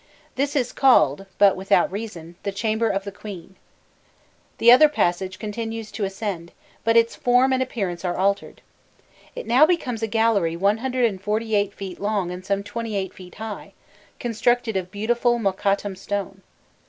This is called, but without reason, the "Chamber of the Queen." The other passage continues to ascend, but its form and appearance are altered. It now becomes a gallery 148 feet long and some 28 feet high, constructed of beautiful Mokattam stone.